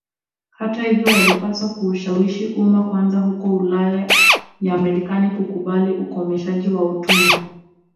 Hata hivyo walipaswa kuushawishi umma kwanza huko Ulaya na Marekani kukubali ukomeshaji wa utumwa